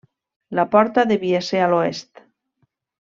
La porta devia ser a l'oest.